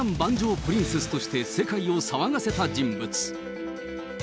プリンセスとして世界を騒がせた人物。